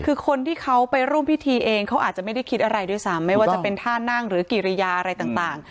คือคนที่เขาไปร่วมพิธีเองเขาอาจจะไม่ได้คิดอะไรด้วยซ้ำไม่ว่าจะเป็นท่านั่งหรือกิริยาอะไรต่าง